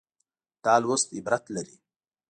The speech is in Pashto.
دا لوست عبرت لري.